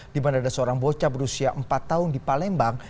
di mana ada seorang bocah berusia empat tahun di palembang